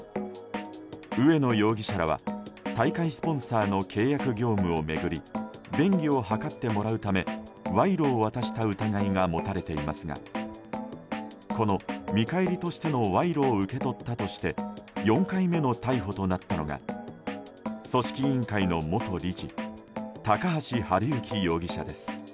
植野容疑者らは大会スポンサーの契約業務を巡り便宜を図ってもらうため賄賂を渡した疑いが持たれていますがこの見返りとしての賄賂を受け取ったとして４回目の逮捕となったのが組織委員会の元理事高橋治之容疑者です。